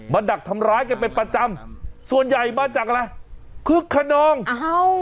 ดักทำร้ายกันเป็นประจำส่วนใหญ่มาจากอะไรคึกขนองอ้าว